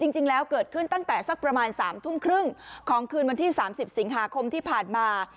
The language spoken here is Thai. จริงแล้วเกิดขึ้นตั้งแต่สักประมาณ๓ทุ่มครึ่งของคืนวันที่๓๐สิงหาคมที่ผ่านมา